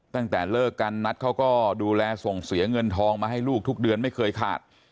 ตั้งแต่เลิกกันนัทเขาก็ดูแลส่งเสียเงินทองมาให้ลูกทุกเดือนไม่เคยขาด